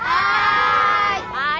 はい。